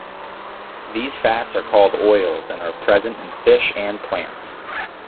These fats are called oils and are present in fish and plants.